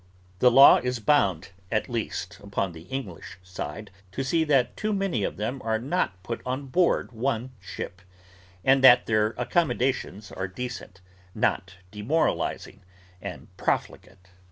The law is bound, at least upon the English side, to see that too many of them are not put on board one ship: and that their accommodations are decent: not demoralising, and profligate.